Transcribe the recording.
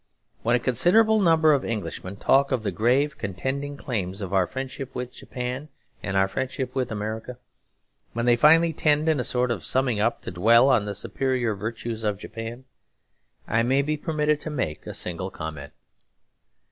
When a considerable number of Englishmen talk of the grave contending claims of our friendship with Japan and our friendship with America, when they finally tend in a sort of summing up to dwell on the superior virtues of Japan, I may be permitted to make a single comment.